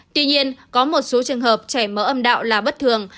tuy nhiên có một số trường hợp chảy máu âm đạo là bất thường